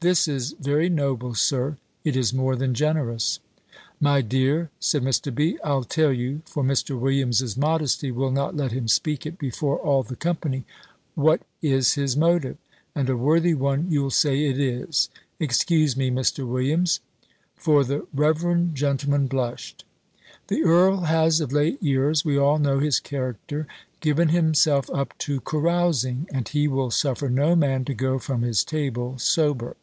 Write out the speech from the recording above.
This is very noble, Sir; it is more than generous." "My dear," said Mr. B., "I'll tell you (for Mr. Williams's modesty will not let him speak it before all the company) what is his motive; and a worthy one you'll say it is. Excuse me, Mr. Williams;" for the reverend gentleman blushed. "The earl has of late years we all know his character given himself up to carousing, and he will suffer no man to go from his table sober.